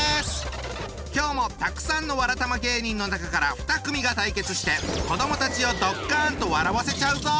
今日もたくさんのわらたま芸人の中から２組が対決して子どもたちをドッカンと笑わせちゃうぞ！